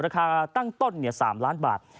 ๙๙๙๙๙๙ราคาตั้งต้น๓ล้านบาท